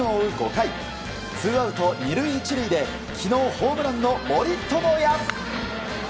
５回ツーアウト２塁、１塁で昨日、ホームランの森友哉！